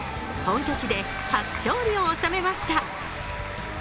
本拠地で初勝利を収めました。